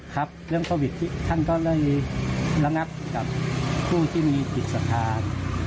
ครับเรื่องโควิดที่ท่านก็เลยระงับกับผู้ที่มีปิดสถาน